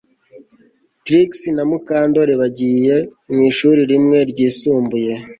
Trix na Mukandoli bagiye mu ishuri rimwe ryisumbuye